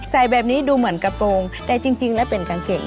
ใส่แบบนี้ดูเหมือนกระโปรงแต่จริงแล้วเป็นกางเกง